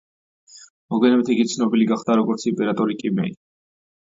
მოგივანებით იგი ცნობილი გახდა, როგორ იმპერატორი კიმეი.